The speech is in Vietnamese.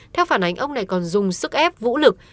theo phản ánh ông này còn dùng sức ép vũ lực